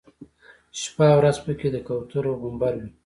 شپه او ورځ په کې د کوترو غومبر وي.